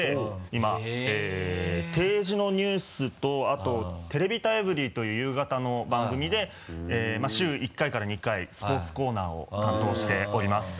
今定時のニュースとあと「てれビタｅｖｅｒｙ．」という夕方の番組で週１回から２回スポーツコーナーを担当しております。